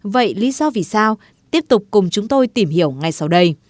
vậy lý do vì sao tiếp tục cùng chúng tôi tìm hiểu ngay sau đây